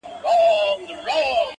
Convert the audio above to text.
رویباری د بېګانه خلکو تراب کړم-